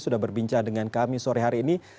sudah berbincang dengan kami sore hari ini